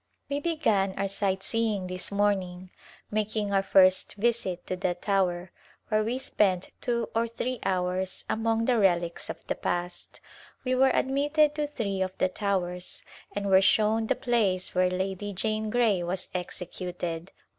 We began our sightseeing this morning, making Outward Journey our first visit to the Tower, where we spent two or three hours among the relics of the past. We were admitted to three of the towers, and were shown the place where Lady Jane Grey was executed.